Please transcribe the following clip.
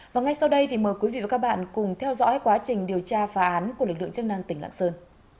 và ngay sau đây thì mời quý vị và các bạn cùng theo dõi quá trình điều tra phá án của lực lượng chức năng tỉnh lạng sơn